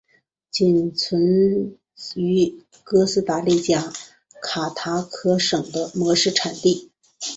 其仅存在于哥斯达黎加卡塔戈省的模式产地。